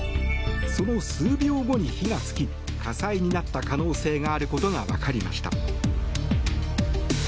その数秒後に火が付き火災になった可能性があることが分かりました。